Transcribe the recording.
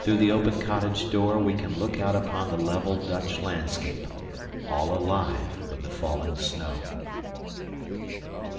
Through the open cottage door we can look out upon the level Dutch landscape, all alive with the falling snow.